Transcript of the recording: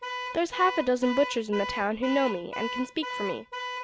There's half a dozen butchers in the town who know me, and can speak for me.